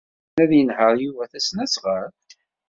Yessen ad yenheṛ Yuba tasnasɣalt?